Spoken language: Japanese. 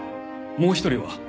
もう一人は？